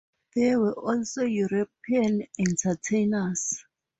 There were also European entertainers.